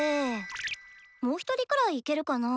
もう１人くらいいけるかな。